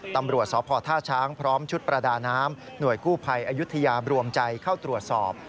ตำรวจสพท่าช้างพร้อมชุดประดาน้ำหน่วยกู้ภัยอายุทยารวมใจเข้าตรวจสอบ